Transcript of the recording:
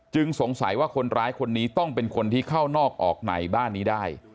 สงสัยว่าคนร้ายคนนี้ต้องเป็นคนที่เข้านอกออกในบ้านนี้ได้